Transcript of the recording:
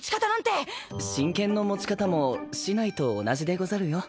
真剣の持ち方も竹刀と同じでござるよ。